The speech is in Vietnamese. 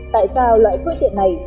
tại sao loại phương tiện này